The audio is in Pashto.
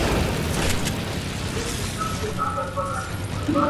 گلاب جانانه ته مي مه هېروه _